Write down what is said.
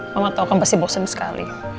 mama tahu kamu pasti bosen sekali